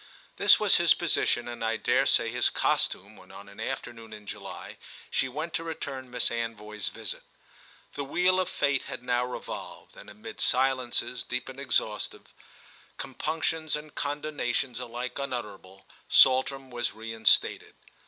This was his position and I dare say his costume when on an afternoon in July she went to return Miss Anvoy's visit. The wheel of fate had now revolved, and amid silences deep and exhaustive, compunctions and condonations alike unutterable, Saltram was reinstated.